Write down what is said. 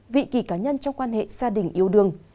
vị kỳ cá nhân trong quan hệ gia đình yêu đương